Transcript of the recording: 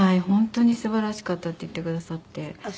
「本当に素晴らしかった」って言ってくださって。